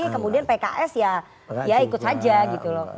kemudian pks ya ikut saja gitu loh